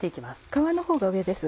皮のほうが上です。